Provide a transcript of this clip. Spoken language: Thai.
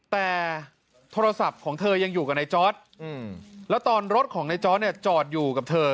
แต่โทรศัพท์ของเธอยังอยู่กับในจอร์ดแล้วตอนรถของในจอร์ดเนี่ยจอดอยู่กับเธอ